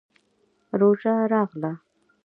روژه راغله.